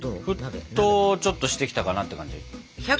沸騰ちょっとしてきたかなって感じ。